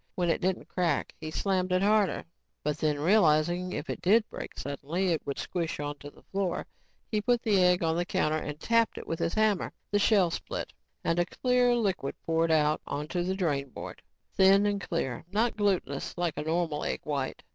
When it didn't crack, he slammed it harder, but then realizing that if it did break suddenly, it would squish onto the floor, he put the egg on the counter and tapped it with his hammer. The shell split and a clear liquid poured out on to the drain board, thin and clear, not glutenous like a normal egg white.